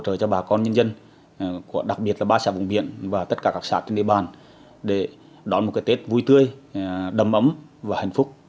hỗ trợ cho bà con nhân dân đặc biệt là ba xã vùng biển và tất cả các xã trên địa bàn để đón một cái tết vui tươi đầm ấm và hạnh phúc